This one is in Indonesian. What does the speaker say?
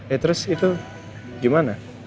eh terus itu gimana